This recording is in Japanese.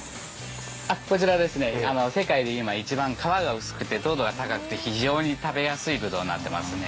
こちら世界で今一番皮が薄くて糖度が高くて非常に食べやすいぶどうになってますね。